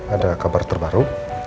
ada kabar terbaru